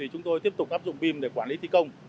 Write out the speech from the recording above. chúng tôi tiếp tục áp dụng pin để quản lý thi công